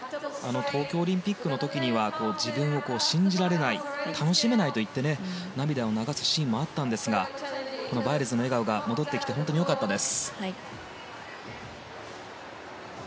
東京オリンピックの時には自分を信じられない楽しめないと言って涙を流すシーンもありましたがバイルズの笑顔が戻ってきて本当に良かったです。